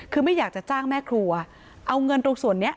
คือไม่อยากจะจ้างแม่ครัวเอาเงินตรงส่วนนี้